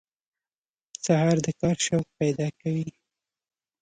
سهار د کار شوق پیدا کوي.